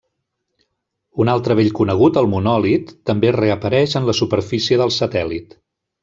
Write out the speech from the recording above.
Un altre vell conegut, el monòlit, també reapareix en la superfície del satèl·lit.